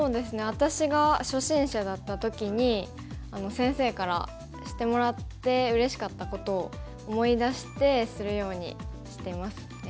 私が初心者だった時に先生からしてもらってうれしかったことを思い出してするようにしてますね。